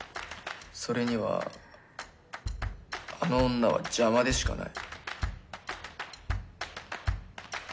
それにはあの女は邪魔でしかない。